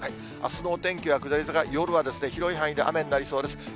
あすのお天気は下り坂、夜は広い範囲で雨になりそうです。